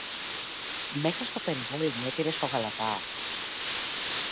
Μέσα στο περιβόλι μου έδειρες το γαλατά;